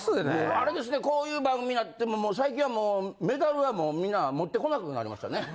あれですねこういう番組になっても最近はもうメダルはもうみんな持ってこなくなりましたね。